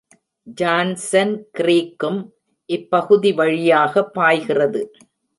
Johnson க்ரீக்கும் இப்பகுதி வழியாக பாய்கிறது.